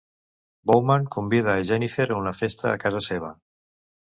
Bowman convida a Jennifer a una festa a casa seva.